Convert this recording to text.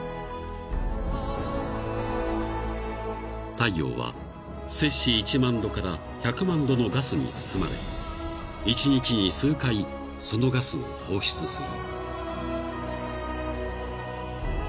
［太陽はセ氏１万℃から１００万℃のガスに包まれ１日に数回そのガスを放出する］